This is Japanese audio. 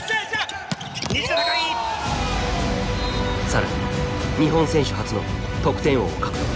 更に日本選手初の得点王を獲得。